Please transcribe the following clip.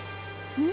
うん？